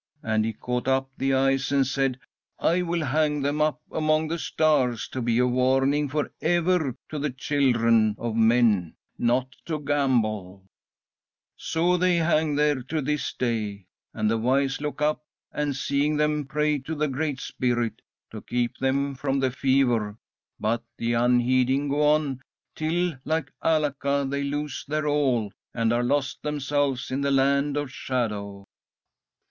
And He caught up the eyes and said: 'I will hang them up among the stars to be a warning for ever to the children of men not to gamble.' "So they hang there to this day, and the wise look up, and, seeing them, pray to the Great Spirit to keep them from the fever; but the unheeding go on, till, like Alaka, they lose their all, and are lost themselves in the Land of Shadow."